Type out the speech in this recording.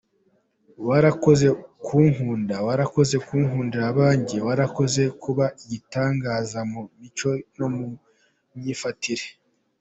Warakoze kunkunda, warakoze kunkundira abanjye, Warakoze kuba igitangaza mu mico no mu myifatire.